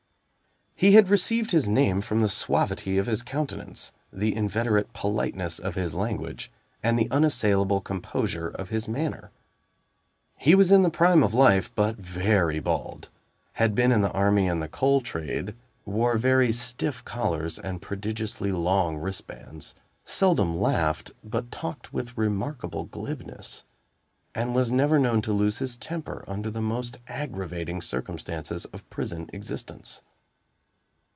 He had received his name from the suavity of his countenance, the inveterate politeness of his language, and the unassailable composure of his manner. He was in the prime of life, but very bald had been in the army and the coal trade wore very stiff collars and prodigiously long wristbands seldom laughed, but talked with remarkable glibness, and was never known to lose his temper under the most aggravating circumstances of prison existence.